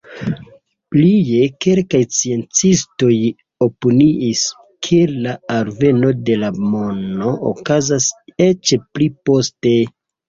Plie, kelkaj sciencistoj opiniis, ke la alveno de la mono okazis eĉ pli poste.